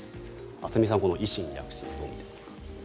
渥美さん、維新の躍進をどう見てますか。